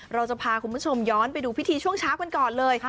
เราจะพาคุณผู้ชมย้อนไปดูพิธีช่วงเช้ากันก่อนเลย